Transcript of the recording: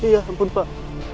ya ampun pak